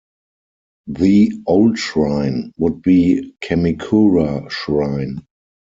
The 'old shrine' would be Kamikura Shrine.